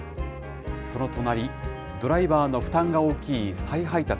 その隣、ドライバーの負担が大きい再配達。